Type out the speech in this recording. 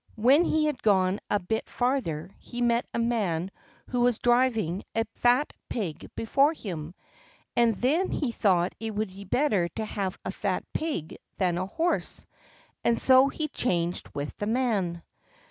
When he had gone a bit farther he met a man who was driving a fat pig before him, and then he thought it would be better to have a fat pig than a horse, and so he changed with the man.